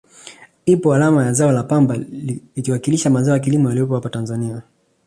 Ipo alama ya zao la pamba ikiwakilisha mazao ya kilimo yaliyopo apa Tanzania